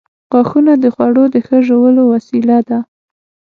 • غاښونه د خوړو د ښه ژولو وسیله ده.